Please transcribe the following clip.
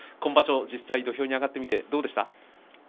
今場所、実際に土俵に上がってみてどうでしたか？